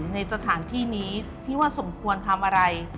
ในสถานที่นี้ที่ว่าสมควรทำอะไร